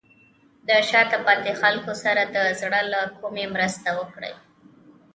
د شاته پاتې خلکو سره د زړه له کومې مرسته وکړئ.